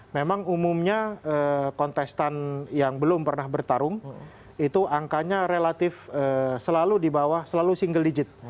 memang umumnya kontestan yang belum pernah bertarung itu angkanya relatif selalu di bawah selalu single digit